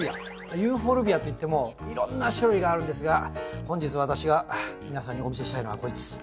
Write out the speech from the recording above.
ユーフォルビアっていってもいろんな種類があるんですが本日私が皆さんにお見せしたいのはこいつ。